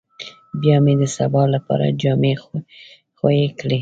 بيا مې د سبا لپاره جامې خويې کړې.